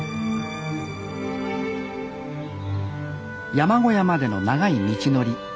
山小屋までの長い道のり。